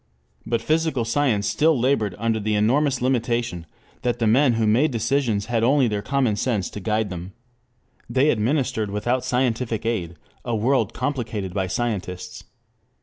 But physical science still labored under the enormous limitation that the men who made decisions had only their commonsense to guide them. They administered without scientific aid a world complicated by scientists.